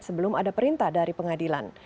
sebelum ada perintah dari pengadilan